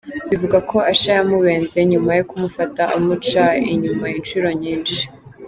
Bivugwa ko Usher yamubenze nyuma yo kumufata amuca inyuma inshuro nyinshi.